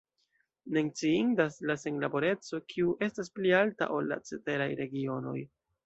Menciindas la senlaboreco, kiu estas pli alta, ol la ceteraj regionoj.